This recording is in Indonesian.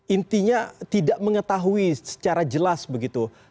intinya tidak mengetahui secara jelas begitu